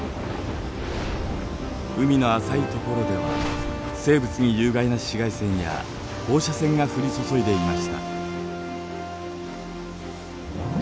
海の浅い所では生物に有害な紫外線や放射線が降り注いでいました。